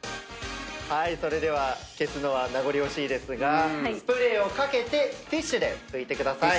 それでは消すのは名残惜しいですがスプレーを掛けてティッシュで拭いてください。